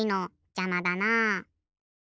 じゃまだなあ。